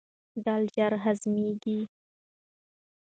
دال ژر هضمیږي.